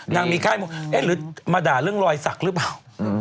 นางมีไข้หรือมาด่าเรื่องรอยสักหรือเปล่า